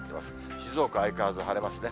静岡は相変わらず晴れますね。